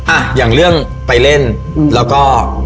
อ่ะอย่างเรื่องไปเล่นแล้วก็